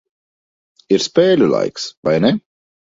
Ir spēļu laiks, vai ne?